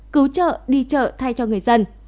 cứu trợ đi trợ thay cho người dân